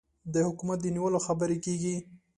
د حکومت د نیولو خبرې کېږي.